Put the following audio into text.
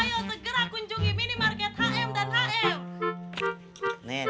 ayo segera kunjungi minimarket hm dan hm